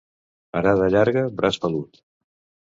Arada llarga, braç pelut.